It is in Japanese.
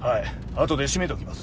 あとでシメときます。